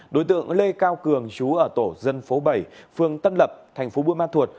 đối tượng lê cao cường trú ở tổ dân phố bảy phường tân lập tp buôn ma thuột